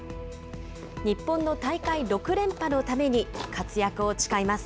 日本の大会６連覇のために、活躍を誓います。